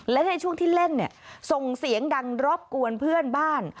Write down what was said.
และในช่วงที่เล่นเนี่ยส่งเสียงดังรบกวนเพื่อนบ้าน